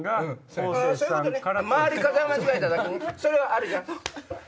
それはあるじゃん。